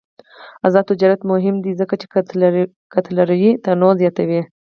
آزاد تجارت مهم دی ځکه چې کلتوري تنوع زیاتوي.